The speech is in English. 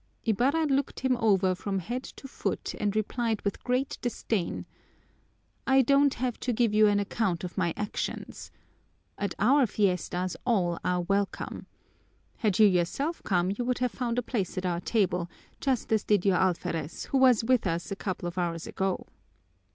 Ibarra looked him over from head to foot and replied with great disdain, "I don't have to give you an account of my actions! At our fiestas all are welcome. Had you yourself come, you would have found a place at our table, just as did your alferez, who was with us a couple of hours ago."